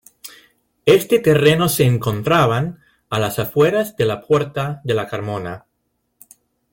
Este terreno se encontraban a las afueras de la puerta de la Carmona.